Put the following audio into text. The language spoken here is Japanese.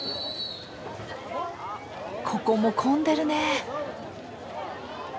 ここも混んでるね。